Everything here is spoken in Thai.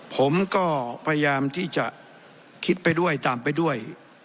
ผมก็พยายามที่จะคิดไปด้วยตามไปด้วย